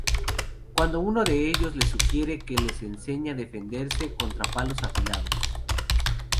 Cuando uno de ellos le sugiere que les enseñe a defenderse contra palos afilados.